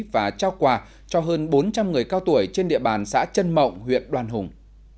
và trao quà cho hơn bốn trăm linh người cao tuổi trên địa bàn xã trân mộng huyện đoàn hùng